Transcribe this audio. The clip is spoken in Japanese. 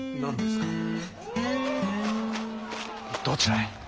どちらへ？